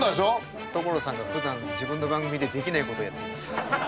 所さんがふだん自分の番組でできないことをやっています。